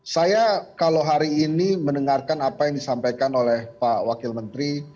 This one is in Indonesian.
saya kalau hari ini mendengarkan apa yang disampaikan oleh pak wakil menteri